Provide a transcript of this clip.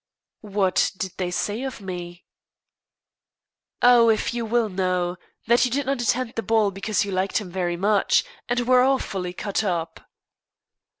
"What did they say of me?" "Oh! if you will know that you did not attend the ball because you liked him very much, and were awfully cut up."